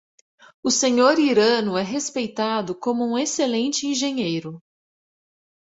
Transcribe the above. O Sr. Hirano é respeitado como um excelente engenheiro.